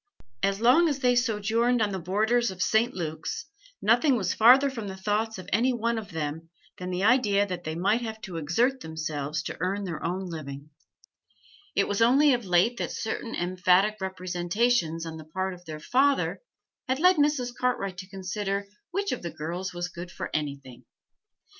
As long as they sojourned on the borders of St. Luke's, nothing was farther from the thoughts of any one of them than the idea that they might have to exert themselves to earn their own living; it was only of late that certain emphatic representations on the part of their father had led Mrs. Cartwright to consider which of the girls was good for anything.